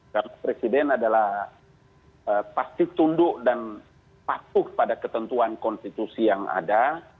karena presiden adalah pasti tunduk dan patuh pada ketentuan konstitusi yang ada